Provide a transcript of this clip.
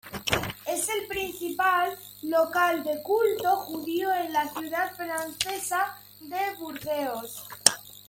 Es el principal local de culto judío de la ciudad francesa de Burdeos.